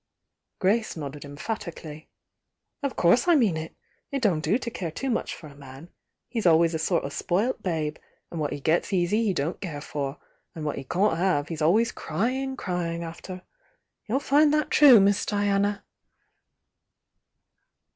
Grace nodded emphatically. "Of course I mean it! It don't do to care too much for a man,— he's always «. sort o' spoilt babe, and what he gets easy he don i care for, and what he can't have he's always crying, crying after. You'll find that true. Miss Diana!"